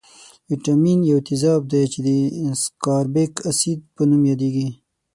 ویتامین یو تیزاب دی چې د سکاربیک اسید په نوم یادیږي.